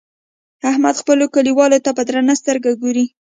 احمد خپلو کليوالو ته په درنه سترګه ګوري.